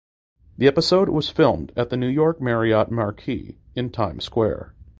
The episode was filmed at the New York Marriott Marquis in Times Square.